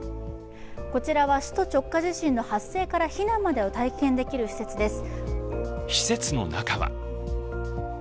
こちらは首都直下地震の発生から避難までを体験できる施設です。